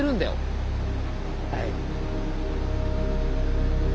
はい。